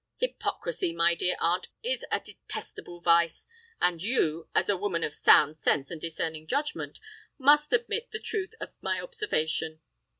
Hypocrisy, my dear aunt, is a detestable vice; and you, as a woman of sound sense and discerning judgment, must admit the truth of my observation.